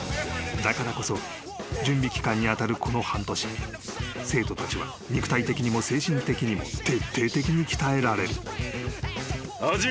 ［だからこそ準備期間に当たるこの半年生徒たちは肉体的にも精神的にも徹底的に鍛えられる］